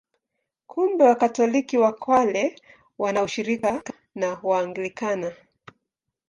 Kumbe Wakatoliki wa Kale wana ushirika na Waanglikana.